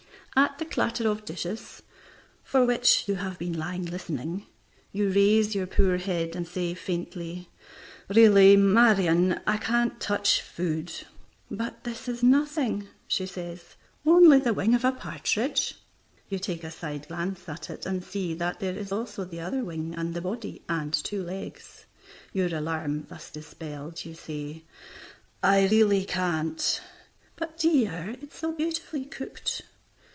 At the clatter of dishes (for which you have been lying listening) you raise your poor head, and say faintly: "Really, Marion, I can't touch food." "But this is nothing," she says, "only the wing of a partridge." You take a side glance at it, and see that there is also the other wing and the body and two legs. Your alarm thus dispelled, you say "I really can't." "But, dear, it is so beautifully cooked."